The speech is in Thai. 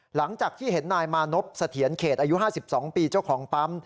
หลังจากที่เห็นนายมานพเสถียรเขตอายุ๕๒ปีเจ้าของปั๊ม